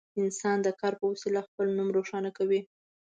انسان د کار په وسیله خپل نوم روښانه کوي.